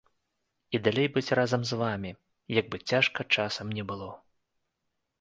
І далей быць разам з вамі, як бы цяжка часам ні было.